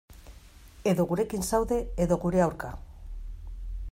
Edo gurekin zaude, edo gure aurka.